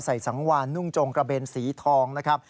สังวานนุ่งจงกระเบนสีทองนะครับ